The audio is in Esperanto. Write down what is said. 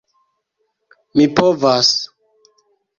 Mi povas.